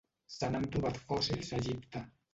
Se n'han trobat fòssils a Egipte.